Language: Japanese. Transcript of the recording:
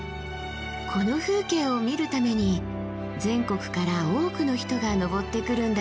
この風景を見るために全国から多くの人が登ってくるんだそうです。